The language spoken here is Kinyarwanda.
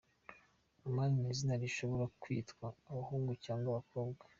Amani ni izina rishobora kwitwa abahungu cyangwa abakobwa.